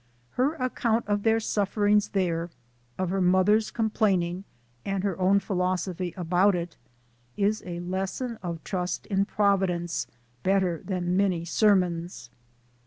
Her account of their sufferings there of her mother's complain ing and her own philosophy about it is a lesson of trust in Providence better than many sermons.